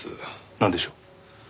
なんでしょう？